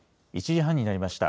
１時半になりました。